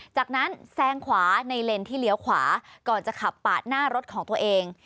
จากนั้นแซงขวาในเลนที่เลี้ยวขวาก่อนจะขับปาดหน้ารถของตัวเอง